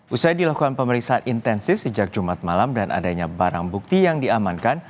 usai dilakukan pemeriksaan intensif sejak jumat malam dan adanya barang bukti yang diamankan